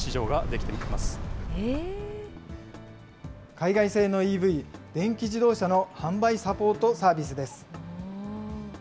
海外製のＥＶ・電気自動車の販売サポートサービスです。